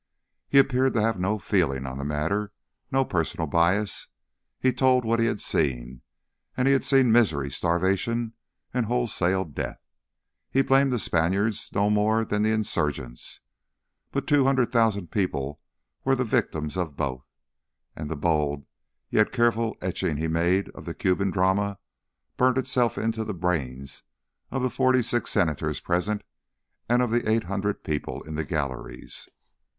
He appeared to have no feeling on the matter, no personal bias; he told what he had seen, and he had seen misery, starvation, and wholesale death. He blamed the Spaniards no more than the insurgents, but two hundred thousand people were the victims of both; and the bold yet careful etching he made of the Cuban drama burnt itself into the brains of the forty six Senators present and of the eight hundred people in the galleries.